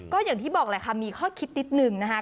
ก็อย่างที่บอกแหละค่ะมีข้อคิดนิดนึงนะคะ